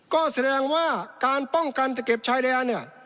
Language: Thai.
ก็แสดงว่าการป้องกันจะเก็บชายแดนเนี่ย